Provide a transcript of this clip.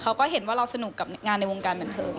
เขาก็เห็นว่าเราสนุกกับงานในวงการบันเทิง